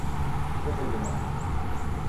Çok acelem var.